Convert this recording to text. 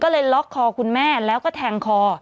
ก็เลยล็อกคอคุณแม่แล้วก็แทงคอ